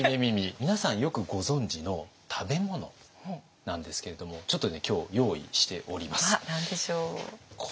皆さんよくご存じの食べ物なんですけれどもちょっとね今日用意しております。